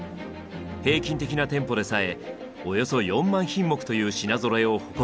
平均的な店舗でさえおよそ４万品目という品ぞろえを誇っています。